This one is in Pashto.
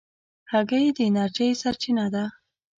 هګۍ د انرژۍ سرچینه ده.